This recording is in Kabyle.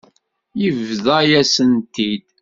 Yebḍa-yasen-t-id.